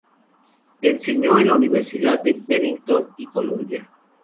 Enseñó en la Universidad de Bennington y Columbia.